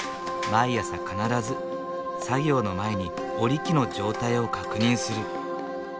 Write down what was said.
毎朝必ず作業の前に織り機の状態を確認する。